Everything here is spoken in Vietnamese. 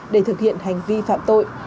để thực hiện hành vi phạm tội